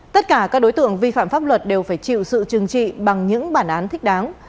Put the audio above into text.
tất cả các đối tượng vi phạm pháp luật đều phải chịu sự trừng trị bằng những bản án thích đáng